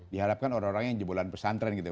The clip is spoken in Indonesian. diharapkan orang orang yang jempolan pesantren gitu